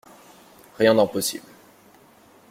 Rien d'impossible